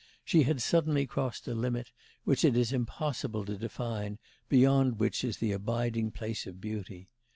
She had suddenly crossed the limit, which it is impossible to define, beyond which is the abiding place of beauty.